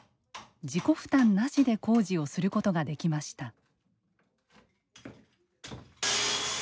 自己負担なしで工事をすることができました。